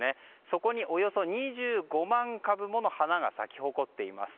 そこに、およそ２５万株もの花が咲き誇っています。